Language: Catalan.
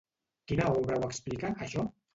Quina obra ho explica, això?